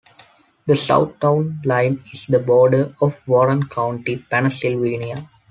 The south town line is the border of Warren County, Pennsylvania.